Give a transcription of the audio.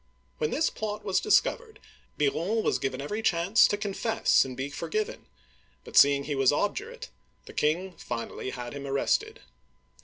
When this plot was discovered, Biron was given every chance to confess and be forgiven, but seeing he was ob durate, the king finally had him arrested.